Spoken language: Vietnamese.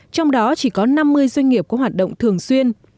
trong đó chỉ có năm mươi doanh nghiệp có hoạt động thường xuyên